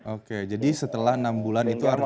oke jadi setelah enam bulan itu artinya